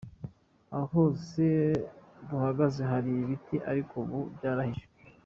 Aha hose duhagaze hari ibiti ariko ubu byarahashije.